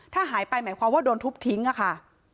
ถ้าหายไปหมายความว่าโดนทุบทิ้งอะค่ะ